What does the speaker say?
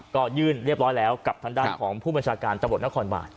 ก็ยื่นเรียบร้อยแล้วกับทางด้านของผู้บัญชาการตำรวจนครบาล